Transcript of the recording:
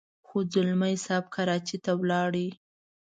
خو ځلمی صاحب کراچۍ ته ولاړ.